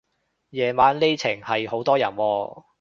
夜晚呢程係好多人喎